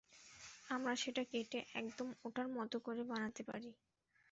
আমরা সেটা কেটে, একদম ওটার মত করে বানাতে পারি।